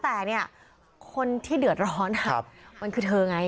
แต่เนี่ยคนที่เดือดร้อนมันคือเธอไง